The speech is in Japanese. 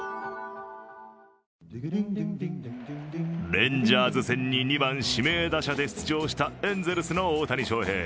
レンジャーズ戦に２番・指名打者で出場したエンゼルスの大谷翔平。